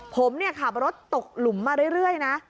ผมขับรถตกหลุมมาเรื่อยนะ